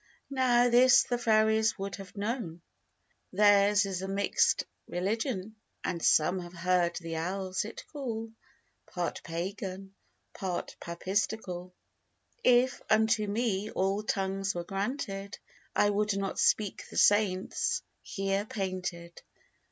Now this the Fairies would have known, Theirs is a mixt religion: And some have heard the elves it call Part Pagan, part Papistical. If unto me all tongues were granted, I could not speak the saints here painted.